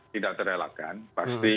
tidak terelakkan pasti